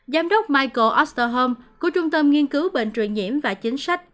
giám đốc michael osterholm của trung tâm nghiên cứu bệnh truyền nhiễm và chính sách